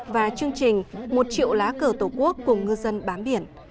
và chương trình một triệu lá cờ tổ quốc cùng ngư dân bám biển